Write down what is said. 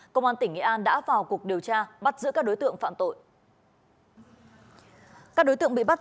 trung an tỉnh nghệ an đã vào cuộc điều tra bắt giữ các đối tượng phạm tội các đối tượng bị bắt